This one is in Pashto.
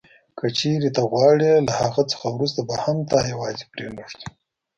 که چیري ته غواړې له هغه نه وروسته به هم تا یوازي نه پرېږدو.